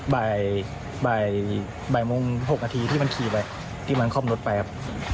บ่ายโมง๖นาทีที่มันขี่ไปที่มันคล่อมรถไปครับ